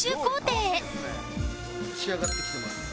仕上がってきてます。